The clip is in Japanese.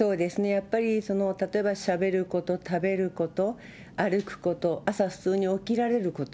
やっぱり例えばしゃべること、食べること、歩くこと、朝、普通に起きられること。